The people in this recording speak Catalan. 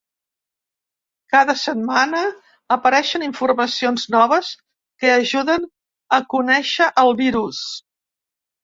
Cada setmana apareixen informacions noves que ajuden a conèixer el virus.